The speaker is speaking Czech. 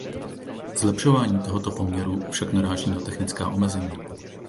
Zlepšování tohoto poměru však naráží na technická omezení.